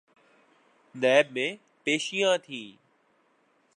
NAB میں پیشیاں تھیں۔